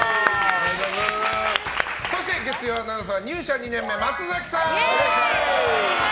そして月曜アナウンサー入社２年目、松崎さん。